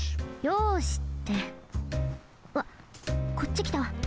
「よし」ってわっこっちきた。